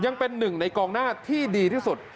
ยังเป็นหนึ่งในกองหน้าที่ดีที่สุด